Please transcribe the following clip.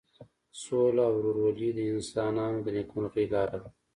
سوله او ورورولي د انسانانو د نیکمرغۍ لاره ده.